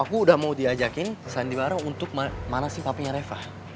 aku udah mau diajakin ke sandiwara untuk manasin papinya reva